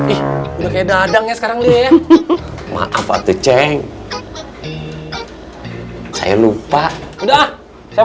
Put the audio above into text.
ih udah kayak dadangnya sekarang dia ya maaf aku ceng saya lupa udah saya